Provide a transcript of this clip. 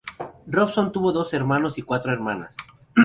Robson tuvo dos hermanos y cuatro hermanas.